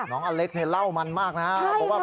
น้องอเล็กซ์เล่ามันมากนะครับ